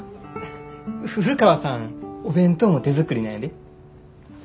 古川さんお弁当も手作りなんやで。